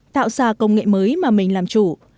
tạo ra công nghệ mới mà mình làm chủ